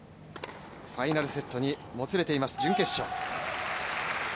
ファイナルセットにもつれています、準決勝。